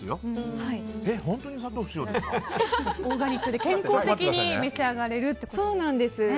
オーガニックで健康的に召し上がれるということですよね。